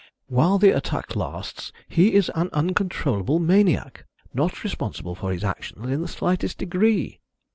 While the attack lasts he is an uncontrollable maniac, not responsible for his actions in the slightest degree."